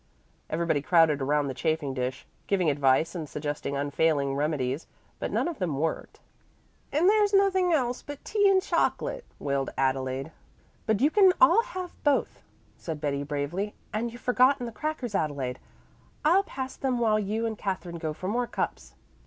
Everybody crowded around the chafing dish, giving advice and suggesting unfailing remedies. But none of them worked. "And there's nothing else but tea and chocolate," wailed Adelaide. "But you can all have both," said Betty bravely, "and you've forgotten the crackers, Adelaide. I'll pass them while you and Katherine go for more cups."